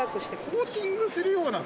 コーティングするような？